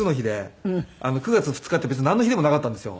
９月２日って別になんの日でもなかったんですよ。